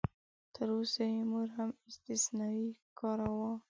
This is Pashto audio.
تراوسه یې موږ هم استثنایي کاروو.